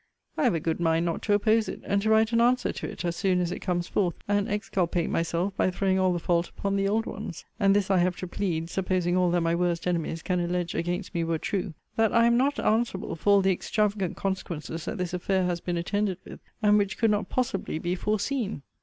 I have a good mind not to oppose it; and to write an answer to it, as soon as it comes forth, and exculpate myself, by throwing all the fault upon the old ones. And this I have to plead, supposing all that my worst enemies can allege against me were true, That I am not answerable for all the extravagant consequences that this affair has been attended with; and which could not possibly be foreseen.